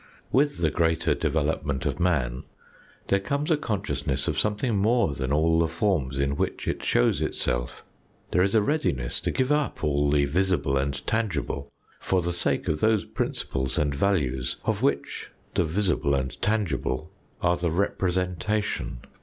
With the greater development of man there comes a consciousness of something more than all the forms in which it shows itself. There is a readiness to give up all the visible and tangible for the sake of those principles and values of which the visible and tangible are the representation.